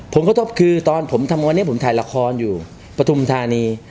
ผลกระทบคือตอนผมทำวันนี้ผมถ่ายละครอยู่ปฐุมธานี